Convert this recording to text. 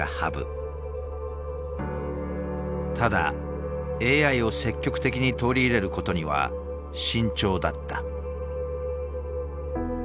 ただＡＩを積極的に取り入れることには慎重だった。